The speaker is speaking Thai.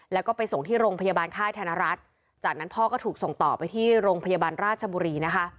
แล้วก็ไปส่งที่โรงพยาบาลค่ายธนรัฐจากนั้นพ่อก็ถูกส่งต่อไปที่โรงพยาบาลราชบุรีนะคะ